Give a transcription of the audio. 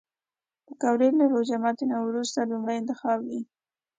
پکورې له روژه ماتي نه وروسته لومړی انتخاب وي